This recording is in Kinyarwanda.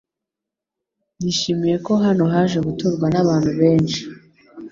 Nishimiye ko hano haje guturwa nabantu benshi .